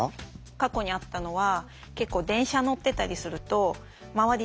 過去にあったのは結構電車乗ってたりすると周り